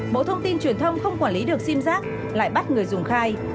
bộ thông tin truyền thông không quản lý được sim giác lại bắt người dùng khai